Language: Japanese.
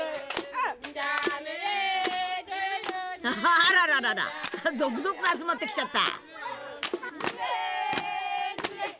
あらららら続々集まってきちゃった。